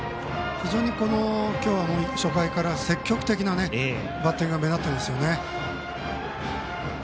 非常に今日は初回から積極的なバッティングが目立っていますね。